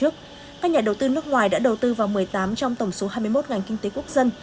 các nhà đầu tư nước ngoài đã đầu tư vào một mươi tám trong tổng số hai mươi một ngành kinh tế quốc dân